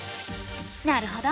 なるほど。